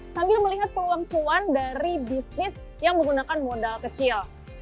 sambil melihat peluang cuan dari bisnis yang menggunakan modal kecil